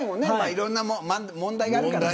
いろんな問題があるから。